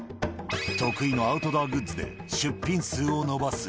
得意のアウトドアグッズで出品数を伸ばす。